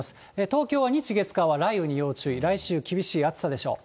東京は、日、月、火は雷雨に要注意、来週、厳しい暑さでしょう。